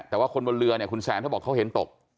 แต่ว่าคนบนเรือเนี่ยคุณแซนเขาบอกเขาเห็นตก